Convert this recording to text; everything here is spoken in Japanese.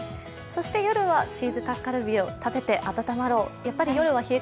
そして夜は、チーズタッカルビを食べて温まろう。